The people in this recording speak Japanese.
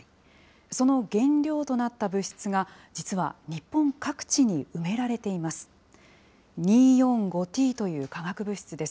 その原料となった物質が、実は日本各地に埋められています。